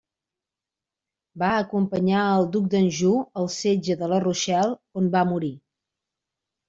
Va acompanyar al duc d'Anjou al setge de la Rochelle, on va morir.